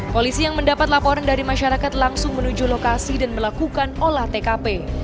polisi yang mendapat laporan dari masyarakat langsung menuju lokasi dan melakukan olah tkp